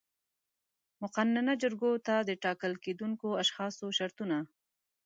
مقننه جرګو ته د ټاکل کېدونکو اشخاصو شرطونه